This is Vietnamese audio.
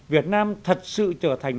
việt nam thật sự trở thành